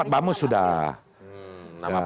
ya sudah tiga puluh hari belum